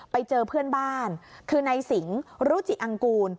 ไปเจอเพื่อนบ้านคือนายสิงรุจิอังกูล